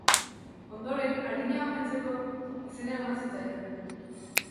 Ondoren Arina omentzeko izena eman zitzaion.